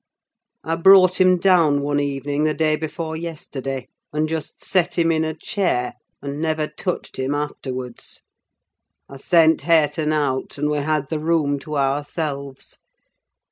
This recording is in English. I brought him down one evening, the day before yesterday, and just set him in a chair, and never touched him afterwards. I sent Hareton out, and we had the room to ourselves.